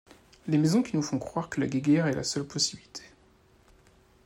Les maisons qui nous font croire que la guéguerre est la seule possibilité.